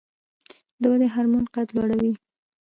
د ودې هورمون قد لوړوي